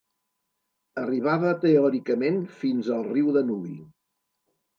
Arribava teòricament fins al riu Danubi.